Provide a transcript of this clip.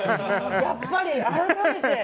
やっぱり改めて。